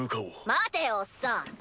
待てよおっさん。